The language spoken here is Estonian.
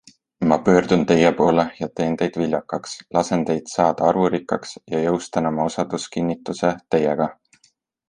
Ma pöördun teie poole ja teen teid viljakaks, lasen teid saada arvurikkaks ja jõustan oma osaduskinnituse teiega.